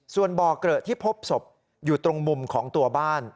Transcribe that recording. ส่วนบ่อเกลอะที่พบศพอยู่ตรงมุมของตัวบ้าน